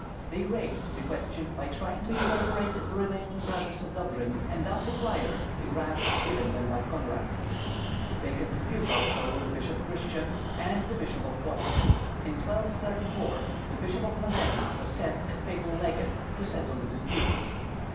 They raised the question by trying to incorporate the remaining Brothers of Dobjin, and thus acquire the grant given them by Konrad. They had disputes also with Bishop Christian and the Bishop of Plotsk. In 1234 the Bishop of Modena was sent as papal legate to settle the disputes.